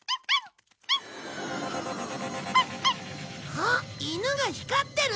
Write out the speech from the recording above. あっ犬が光ってる！